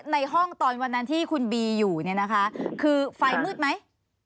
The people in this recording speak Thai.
ในห้องตอนวันนั้นที่คุณบีอยู่เนี่ยนะคะคือไฟมืดไหม